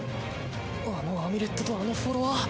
あのアミュレットとあのフォロワー。